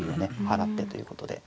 払ってということで。